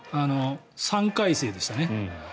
３回生でしたね。